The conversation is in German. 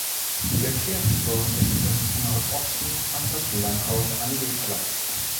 Der Kirchturm ist im Nordosten an das Langhaus angeflanscht.